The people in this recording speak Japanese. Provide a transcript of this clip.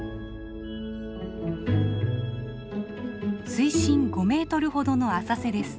水深５メートルほどの浅瀬です。